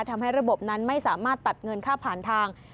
ทำให้ระบบนั้นไม่สามารถตัดเงินค่าผ่านทาง